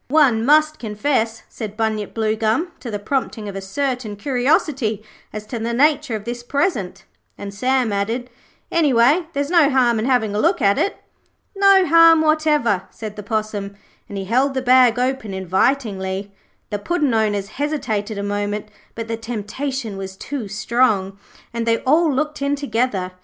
'One must confess,' said Bunyip Bluegum, 'to the prompting of a certain curiosity as to the nature of this present'; and Sam added, 'Anyway, there's no harm in having a look at it.' 'No harm whatever,' said the Possum, and he held the bag open invitingly. The Puddin' owners hesitated a moment, but the temptation was too strong, and they all looked in together.